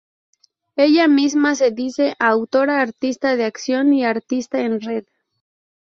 Ella misma se dice "autora, artista de acción y artista en red".